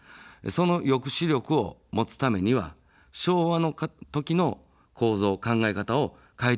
その抑止力を持つためには昭和の時の構造、考え方を変えていくべきだと思っています。